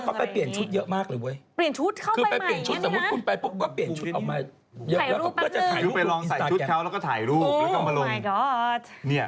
ขอฉันโพสต์แป๊บหนึ่งอะไรอย่างนี้